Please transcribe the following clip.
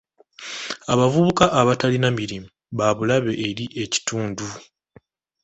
Abavubuka abatalina mirimu ba bulabe eri ekitundu.